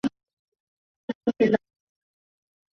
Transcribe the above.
现在的宝龙罩脱胎于古典木艺品的宝笼。